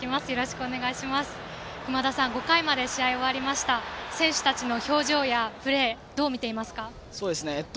くまださん５回まで試合が終わりましたが選手たちの表情やプレーどう見ていますか？